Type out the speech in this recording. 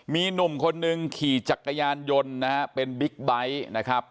มีหนุ่มคนหนึ่งขี่จักรยานยนต์นะฮะเป็นบิ๊กไบท์นะครับ